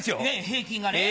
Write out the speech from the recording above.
平均がね。